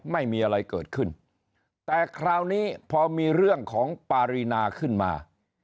ไม่มีอะไรเกิดขึ้นแต่คราวนี้พอมีเรื่องของปารีนาขึ้นมา